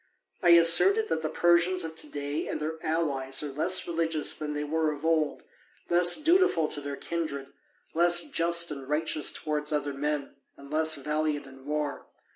I asserted that the Persians of to day and their allies are less religious than they were of old, less dutiful to their kindred, less just and righteous towards other men, and less valiant in war.